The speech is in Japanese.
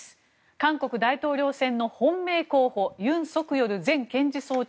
韓国大統領選の本命候補ユン・ソクヨル前検事総長